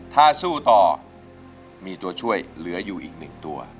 ถ้าสู้ต่อมีตัวช่วยเหลืออยู่อีก๑ตัว